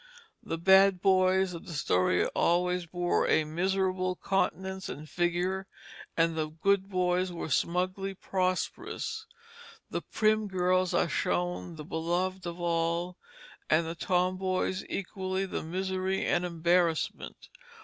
The bad boys of the story always bore a miserable countenance and figure, and the good boys were smugly prosperous. The prim girls are shown the beloved of all, and the tomboys equally the misery and embarrassment.